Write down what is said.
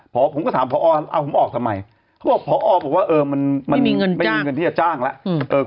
พอผมก็ถามพอเอาผมออกทำไมเขาบอกพอบอกว่าเออมันไม่มีเงินที่จะจ้างแล้ว